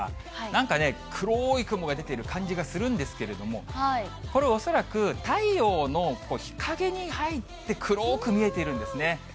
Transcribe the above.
なんかね、黒い雲が出ている感じがするんですけれども、これ恐らく、太陽の日陰に入って、黒く見えているんですね。